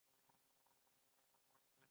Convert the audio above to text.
اقلیم د افغانستان د سیلګرۍ برخه ده.